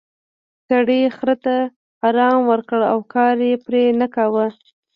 سړي خر ته ارام ورکړ او کار یې پرې نه کاوه.